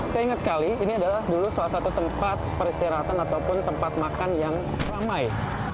saya ingat sekali ini adalah dulu salah satu tempat peristirahatan ataupun tempat makan yang ramai